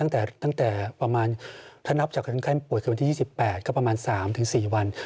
ตั้งแต่ประมาณถ้านับจากคนไข้ป่วยคือวันที่๒๘ก็ประมาณ๓๔วัน